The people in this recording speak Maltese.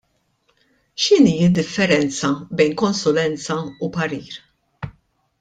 X'inhi d-differenza bejn konsulenza u parir?